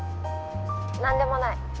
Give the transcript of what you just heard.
何でもない。